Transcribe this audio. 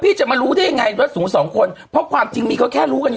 จะมารู้ได้ยังไงว่าหนูสองคนเพราะความจริงมีเขาแค่รู้กันอยู่